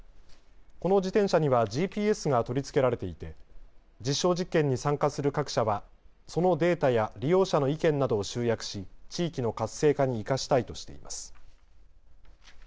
この自転車にはＧＰＳが取り付けられていて実証実験に参加する各社はそのデータや利用者の意見などを集約し、地域の活性化に生かしたいとしています。